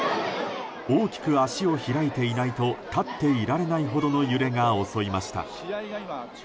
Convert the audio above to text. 大きく足を開いていないと立っていられないほどの揺れが襲いました。